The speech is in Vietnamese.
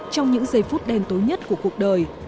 trong những giây phút đen tối nhất của cuộc đời